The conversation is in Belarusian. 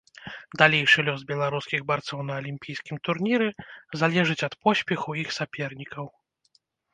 Далейшы лёс беларускіх барцоў на алімпійскім турніры залежыць ад поспеху іх сапернікаў.